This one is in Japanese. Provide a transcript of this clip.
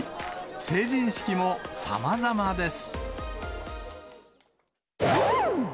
成人式もさまざまです。